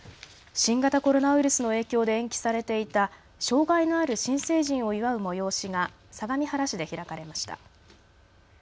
新型コロナウイルスの影響で延期されていた障害のある新成人を祝う催しが相模原市で開かれました。